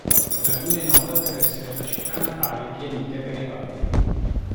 Laguna è nota per essere la città natale di Anita Garibaldi.